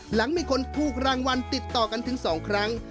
หลังมีคนถูกรางวัลติดต่อกันถึง๒ครั้ง